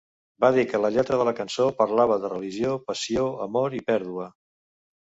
Va dir que la lletra de la cançó parlava de religió, passió, amor i pèrdua.